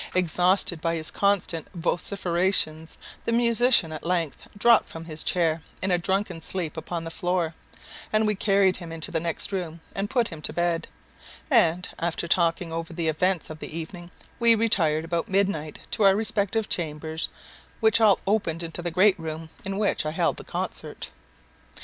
Exhausted by his constant vociferations, the musician at length dropped from his chair in a drunken sleep upon the floor, and we carried him into the next room and put him to bed; and, after talking over the events of the evening, we retired about midnight to our respective chambers, which all opened into the great room in which I held the concert.